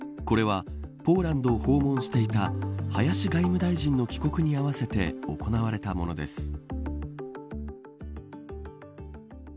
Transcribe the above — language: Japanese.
これはポーランドを訪問していた林外務大臣の帰国に合わせて行われたものです。